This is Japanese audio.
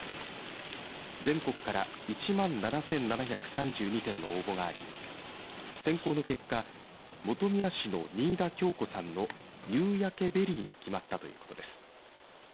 全国から１万７７３２点の応募があり選考の結果、本宮市の仁井田京子さんのゆうやけベリーに決まったということです。